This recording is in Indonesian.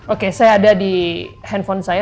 oke saya ada di handphone saya